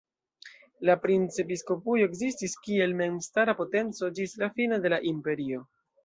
La princepiskopujo ekzistis kiel memstara potenco ĝis la fino de la Imperio.